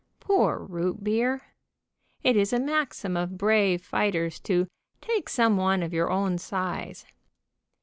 Poor root beer! It is a maxim of brave fighters to "take some one of your size."